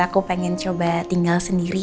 aku pengen coba tinggal sendiri